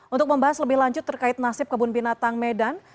untuk membahas lebih lanjut terkait nasib kebun binatang medan